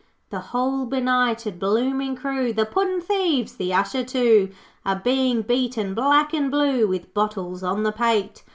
'The whole benighted, blooming crew, The Puddin' thieves, the Usher too, Are being beaten black and blue With bottles on the pate.